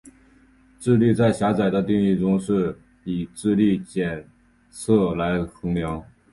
智力在狭窄的定义中是以智力测验来衡量。